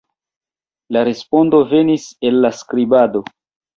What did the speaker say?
La respondo venis el la skribado.